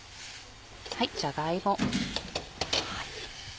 じゃが芋。